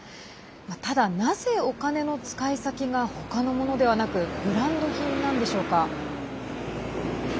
ただ、なぜお金の使い先が他のものではなくブランド品なんでしょうか？